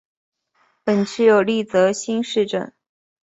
本区有立泽新市镇。